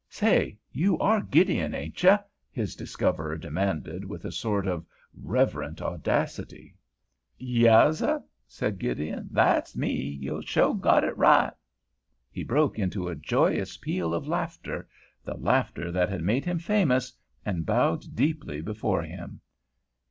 "Say, you are Gideon, ain't you?" his discoverer demanded, with a sort of reverent audacity. "Yaas, seh," said Gideon; "that's me. Yo' shu got it right." He broke into a joyous peal of laughter—the laughter that had made him famous, and bowed deeply before him.